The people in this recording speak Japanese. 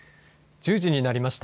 １０時になりました。